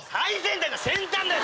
先端だよ！